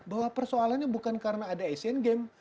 bahwa persoalannya bukan karena ada asian games